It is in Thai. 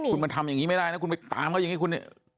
คุณมันทำอย่างนี้ไม่ได้นะคุณไปตามเขาอย่างนี้คุณ